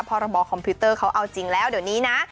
พรบคอมพิวเตอร์เขาเอาจริงแล้วเดี๋ยวนี้นะ